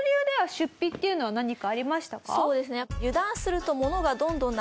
そうですね。